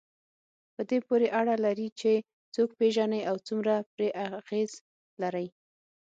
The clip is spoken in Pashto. په دې پورې اړه لري چې څوک پېژنئ او څومره پرې اغېز لرئ.